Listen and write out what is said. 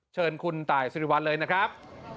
เชิญคุณตายสิริวัลเลยนะครับ